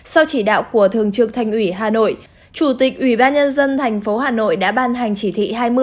sau chỉ đạo của thường trực thành ủy hà nội chủ tịch ủy ban nhân dân thành phố hà nội đã ban hành chỉ thị hai mươi